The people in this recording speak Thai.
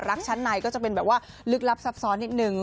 ชั้นในก็จะเป็นแบบว่าลึกลับซับซ้อนนิดนึง